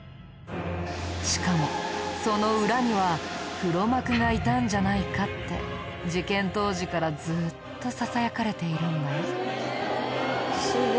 しかもその裏には黒幕がいたんじゃないかって事件当時からずっとささやかれているんだよ。